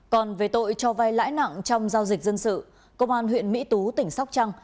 còn về tội cho vai lãi nặng trong giao dịch dân sự công an huyện mỹ tú tỉnh sóc trăng